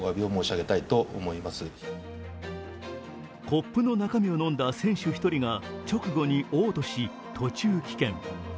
コップの中身を飲んだ選手１人が直後におう吐し、途中棄権。